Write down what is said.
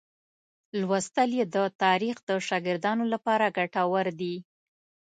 لوستل یې د تاریخ د شاګردانو لپاره ګټور دي.